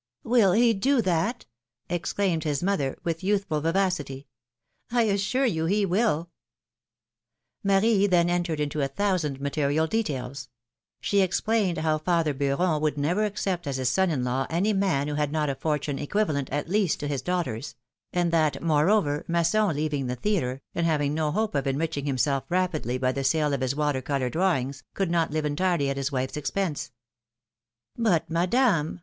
Will he do that?" exclaimed his mother, with youth ful vivacity. philom^ne's marriages. 277 assure you he will Marie then entered into a thousand material details: she explained how father Beuron would never accept as his son in law any man who had not a fortune equivalent, at least, to his daughter's; and that, moreover, Masson, leaving the theatre, and having no hope of enriching him self rapidly by the sale of his water color drawings, could not live entirely at his wife's expense. ^^But, Madame!